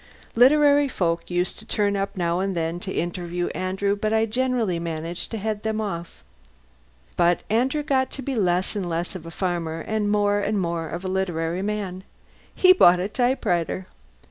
Literary folk used to turn up now and then to interview Andrew, but generally I managed to head them off. But Andrew got to be less and less of a farmer and more and more of a literary man. He bought a typewriter.